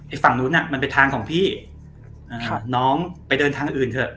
ฝั่งนู้นน่ะมันเป็นทางของพี่น้องไปเดินทางอื่นเถอะ